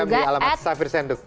di alamat safir senduk